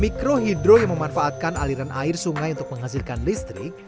mikrohidro yang memanfaatkan aliran air sungai untuk menghasilkan listrik